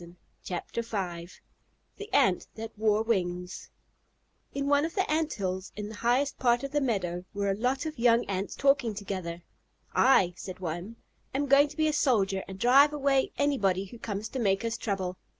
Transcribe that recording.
THE ANT THE WORE WINGS In one of the Ant hills in the highest part of the meadow, were a lot of young Ants talking together. "I," said one, "am going to be a soldier, and drive away anybody who comes to make us trouble.